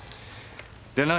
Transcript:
で何？